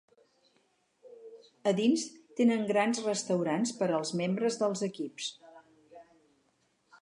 A dins, tenen grans restaurants per als membres dels equips